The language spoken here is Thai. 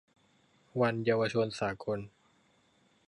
วันเยาวชนสากล